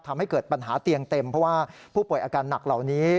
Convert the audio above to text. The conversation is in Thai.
ทำให้เกิดปัญหาเตียงเต็มเพราะว่าผู้ป่วยอาการหนักเหล่านี้